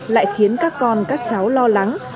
lại khiến các con các cháu lo lắng